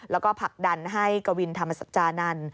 แล้วก็ผลักดันให้กวินธรรมสัจจานันต์